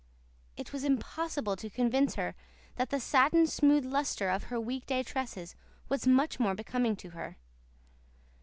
It was impossible to convince her that the satin smooth lustre of her week day tresses was much more becoming to her.